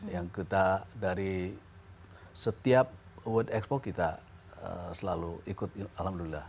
yang kita dari setiap world expo kita selalu ikut alhamdulillah